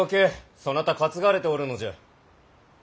そなた担がれておるのじゃ。